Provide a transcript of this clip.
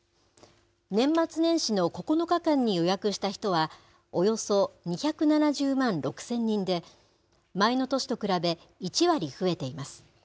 年末年始の９日間に予約した人は、およそ２７０万６０００人で、前の年と比べ、１割増えています。